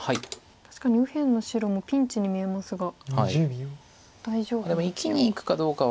確かに右辺の白もピンチに見えますが大丈夫なんでしょうか。